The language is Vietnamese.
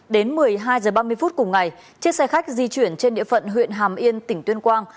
đến một mươi hai h ba mươi phút cùng ngày chiếc xe khách di chuyển trên địa phận huyện hàm yên tỉnh tuyên quang